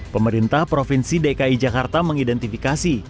pemerintah provinsi dki jakarta mengidentifikasi